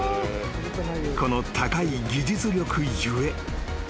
［この高い技術力故］